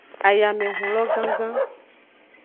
Ayamehun lo gangan.